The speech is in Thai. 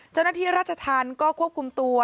เจ้าหน้าที่ราชธรรมก็ควบคุมตัว